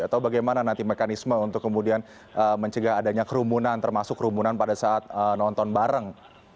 atau bagaimana nanti mekanisme untuk kemudian mencegah adanya kerumunan termasuk kerumunan pada saat nonton bareng